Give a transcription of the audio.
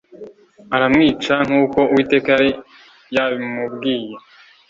iramwica nkuko Uwiteka yari yamubwiye